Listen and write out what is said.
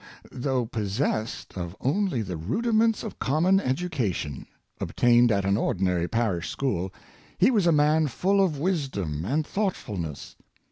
Though possessed of only the rudiments of common education, obtained at an ordinary parish school, he was a man full of wisdom and thoughtfulness.